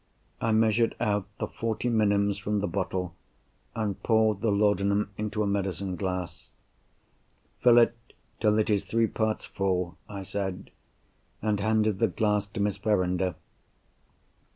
I measured out the forty minims from the bottle, and poured the laudanum into a medicine glass. "Fill it till it is three parts full," I said, and handed the glass to Miss Verinder.